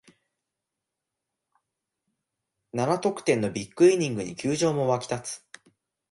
七得点のビッグイニングに球場も沸き立つ